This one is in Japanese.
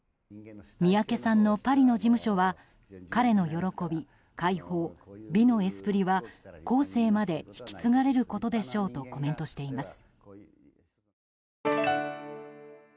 三宅さんのパリの事務所は彼の喜び、解放、美のエスプリは後世まで引き継がれることでしょうとコメントしています。